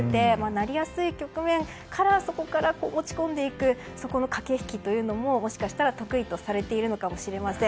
なりやすい局面から落ち込んでいくそこの駆け引きというのももしかしたら得意とされているのかもしれません。